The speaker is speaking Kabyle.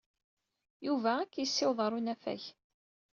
Yuba ad k-yessiweḍ ɣer unafag.